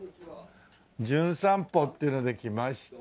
『じゅん散歩』っていうので来ました。